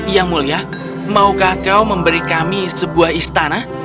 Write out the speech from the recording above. yang mulia maukah kau memberi kami sebuah istana